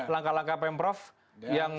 langkah langkah pemprov yang